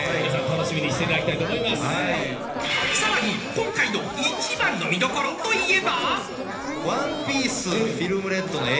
［さらに今回の一番の見どころといえば？］